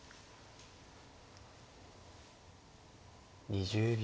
２０秒。